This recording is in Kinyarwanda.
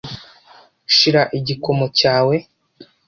Shira igikomo cyawe